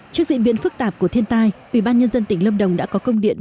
trước diễn biến phức tạp của thiên tai ủy ban nhân dân tỉnh lâm đồng đã có công điện